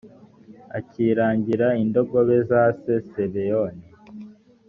akiragira indogobe za se sibeyoni